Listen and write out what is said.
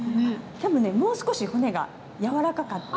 多分ねもう少し骨が軟らかかった。